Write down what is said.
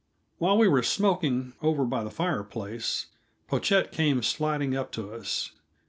While we were smoking, over by the fireplace, Pochette came sidling up to us.